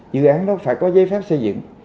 dự án đó phải có giấy pháp xây dựng